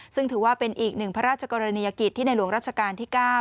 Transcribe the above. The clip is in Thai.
ซึ่งถือว่าเป็นอีกหนึ่งพระราชกรณียกิจที่ในหลวงรัชกาลที่๙